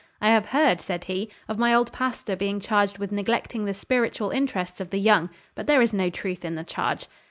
"I have heard," said he, "of my old pastor being charged with neglecting the spiritual interests of the young; but there is no truth in the charge.